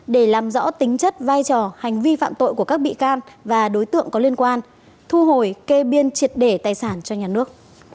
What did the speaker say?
để làm rõ tính chất vai trò hành vi phạm tội của các bị can và đối tượng có liên quan thu hồi kê biên triệt để tài sản cho nhà nước